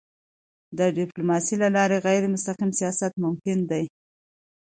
د ډيپلوماسی له لارې غیرمستقیم سیاست ممکن دی.